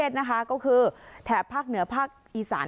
โดยการติดต่อไปก็จะเกิดขึ้นการติดต่อไป